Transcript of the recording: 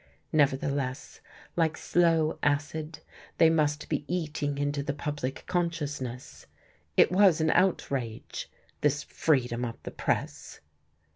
Nevertheless, like slow acid, they must be eating into the public consciousness. It was an outrage this freedom of the press.